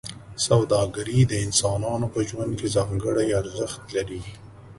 سوداګري د انسانانو په ژوند کې ځانګړی ارزښت لري.